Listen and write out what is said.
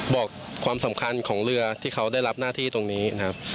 บอกความสำคัญของเรือที่เขาได้รับหน้าที่ตรงนี้นะครับ